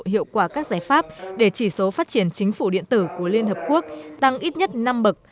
hiệu quả các giải pháp để chỉ số phát triển chính phủ điện tử của liên hợp quốc tăng ít nhất năm bậc